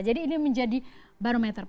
jadi ini menjadi barometer